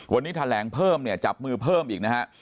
วันนี้แถลงเพิ่มเนี่ยจับมือเพิ่มอีกนะฮะ